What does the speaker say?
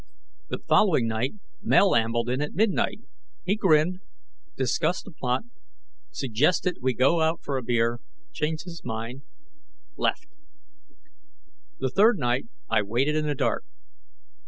The following night, Mel ambled in at midnight. He grinned, discussed a plot, suggested we go out for a beer, changed his mind, left. The third night, I waited in the dark.